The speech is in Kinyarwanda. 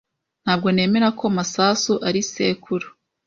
Ntabwo nemera ko Masasu ari sekuru.